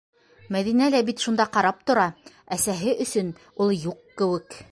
Мәҙинә лә бит шунда ҡарап тора, әсәһе өсөн ул юҡ кеүек.